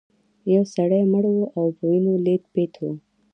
یو سړی مړ و او په وینو لیت پیت و.